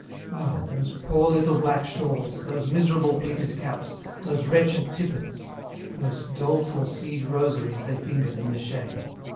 Ah ! those poor little black shawls, those miserable pleated caps, those wretched tippets, those doleful seed rosaries they fingered in the shade.